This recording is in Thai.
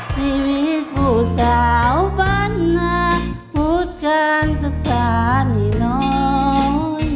ชีวิตผู้สาวบรรณาพูดการศึกษามีร้อย